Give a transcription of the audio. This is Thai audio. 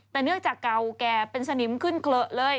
แต่เนื่องจากเก่าแก่เป็นสนิมขึ้นเขละเลย